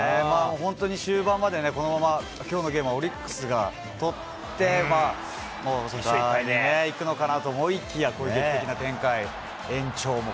本当に終盤までね、このまま、きょうのゲームはオリックスが取って、まあ、いくのかなと思いきや、こういう劇的な展開、延長も。